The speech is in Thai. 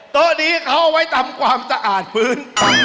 โต๊ะนี้เขาเอาไว้ทำความสะอาดพื้น